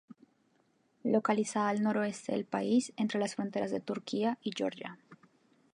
Localizada al noroeste del país, entre las fronteras de Turquía y Georgia.